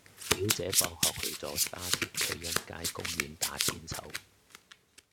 表姐放學去左沙田翠欣街公園打韆鞦